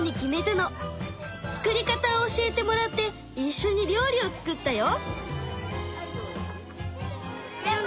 作り方を教えてもらっていっしょに料理を作ったよ。